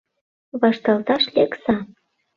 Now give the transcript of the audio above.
Вашталташ лекса!